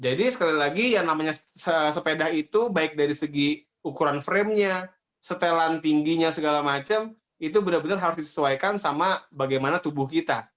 jadi sekali lagi yang namanya sepeda itu baik dari segi ukuran framenya setelan tingginya segala macam itu benar benar harus disesuaikan sama bagaimana tubuh kita